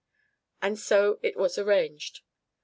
And so it was arranged.